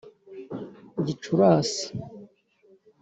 Gicurasi